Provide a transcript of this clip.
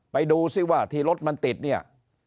ไปดูซิว่าที่รถมันติดเนี่ย